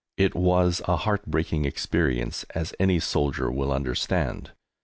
It was a heart breaking experience as any soldier will understand.